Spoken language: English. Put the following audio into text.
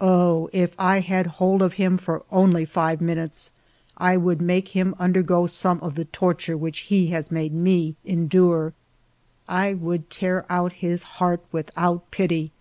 Oh, if I had hold of him for only five minutes ! I would make him undergo some of the torture which he has made me endure ; I would tear out his heart without pity